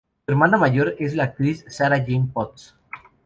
Su hermana mayor es la actriz Sarah-Jane Potts.